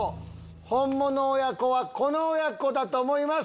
ホンモノ親子はこの親子だと思います。